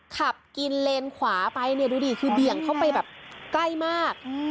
ขับกินเลนขวาไปเนี่ยดูดิคือเบี่ยงเข้าไปแบบใกล้มาก